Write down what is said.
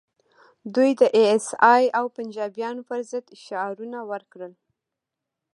دوی د ای ایس ای او پنجابیانو پر ضد شعارونه ورکړل